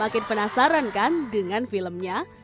makin penasaran kan dengan filmnya